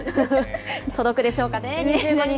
届くでしょうかね、２５日。